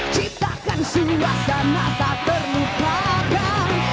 ciptakan suasana tak perlu panggang